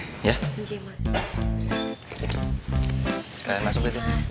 sekalian masuk deh